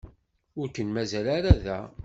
Ur ken-mazal ara da.